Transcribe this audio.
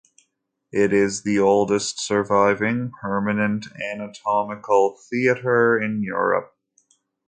It is the oldest surviving permanent anatomical theatre in Europe.